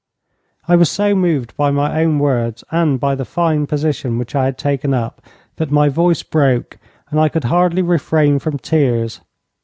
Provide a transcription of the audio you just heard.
I was so moved by my own words and by the fine position which I had taken up, that my voice broke, and I could hardly refrain from tears.